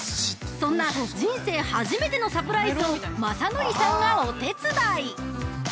そんな人生初めてのサプライズをまさのりさんがお手伝い！